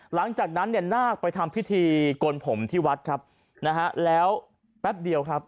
หลังจากนั้นเนี่ยนาคไปทำพิธีโกนผมที่วัดครับนะฮะแล้วแป๊บเดียวครับ